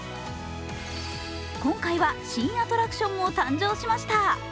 今回は新アトラクションも誕生しました。